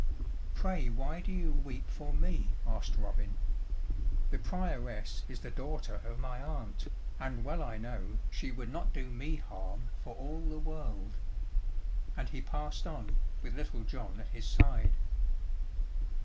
"Pray why do you weep for me?" asked Robin; "the Prioress is the daughter of my aunt, and well I know she would not do me harm for all the world." And he passed on, with Little John at his side.